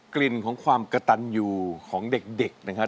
กลิ่นของความกระตันอยู่ของเด็กนะครับ